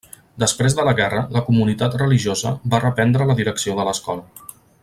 Després de la guerra, la comunitat religiosa va reprendre la direcció de l'escola.